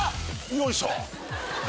よいしょ！